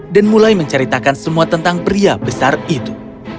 dan mulai menceritakan semua tentang pria besar itu